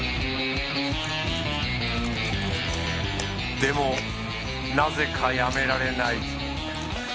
でもなぜかやめられない。